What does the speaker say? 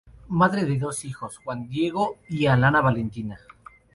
Madre de dos hijos: Juan Diego y Alana Valentina.